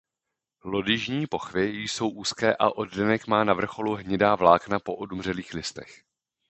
Lodyžní pochvy jsou úzké a oddenek má na vrcholu hnědá vlákna po odumřelých listech.